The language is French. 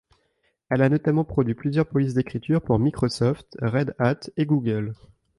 Elle a notamment produit plusieurs polices d’écriture pour Microsoft, Red Hat et Google.